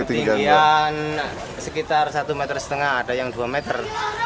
ketinggian sekitar satu meter setengah ada yang dua meter